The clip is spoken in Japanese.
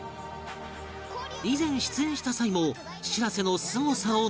以前出演した際もしらせのすごさを熱弁